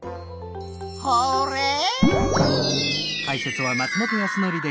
ホーレイ！